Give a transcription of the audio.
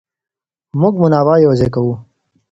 موږ منابع يو ځای کوو.